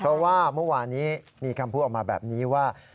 เพราะว่าเมื่อวานนี้มีคำพูดออกมาแบบนี้ว่า